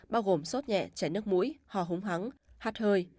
bao gồm sốt nhẹ chảy nước mũi ho húng hắng hắt hơi